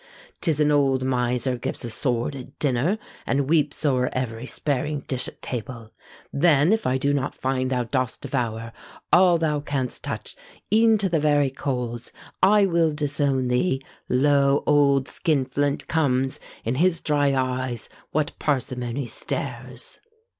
'Tis an old miser gives a sordid dinner, And weeps o'er every sparing dish at table; Then if I do not find thou dost devour All thou canst touch, e'en to the very coals, I will disown thee! Lo! old Skin flint comes; In his dry eyes what parsimony stares!